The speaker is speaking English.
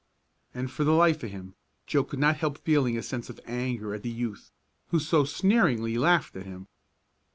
And, for the life of him, Joe could not help feeling a sense of anger at the youth who had so sneeringly laughed at him.